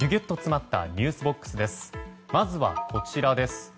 まずはこちらです。